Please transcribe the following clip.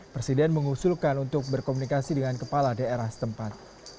presiden mengusulkan untuk berkomunikasi dengan kepala daerah setempat